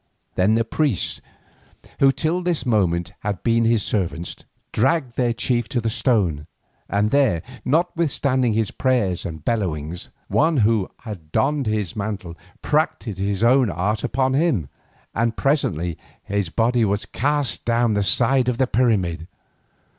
Then the priests, who till this moment had been his servants, dragged their chief to the stone, and there, notwithstanding his prayers and bellowings, one who had donned his mantle practised his own art upon him, and presently his body was cast down the side of the pyramid.